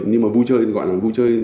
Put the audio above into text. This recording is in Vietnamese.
nhưng mà vui chơi gọi là vui chơi